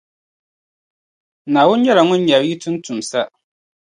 Naawuni nyɛla Ŋun nyari yi tuuntumsa.